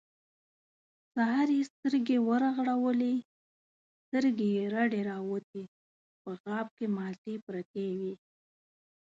سهار يې سترګې ورغړولې، سترګې يې رډې راوختې، په غاب کې مالټې پرتې وې.